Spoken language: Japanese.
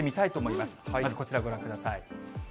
まずこちら、ご覧ください。